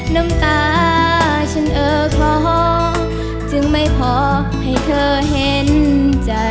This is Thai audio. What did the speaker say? น้ำตาฉันเออคล้อจึงไม่พอให้เธอเห็นใจ